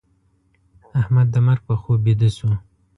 احمد د مرګ په خوب بيده شو.